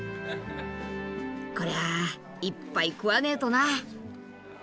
こりゃいっぱい食わねぇとな。